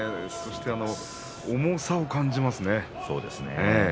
そして重さを感じますね。